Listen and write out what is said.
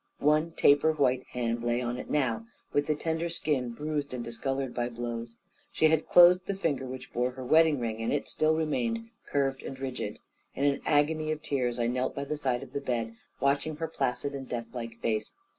One taper white hand lay on it now, with the tender skin bruised and discoloured by blows. She had closed the finger which bore her wedding ring, and it still remained curved and rigid. In an agony of tears, I knelt by the side of the bed, watching her placid and deathlike face.